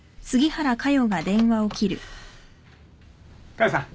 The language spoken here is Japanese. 佳代さん。